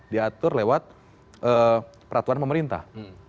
diatur lewat peraturan pemerintah